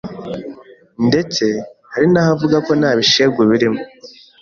ndetse hari n’aho avuga ko ntabishegu birrimo